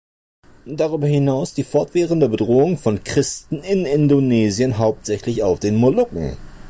Darüber hinaus die fortwährende Bedrohung von Christen in Indonesien, hauptsächlich auf den Molukken.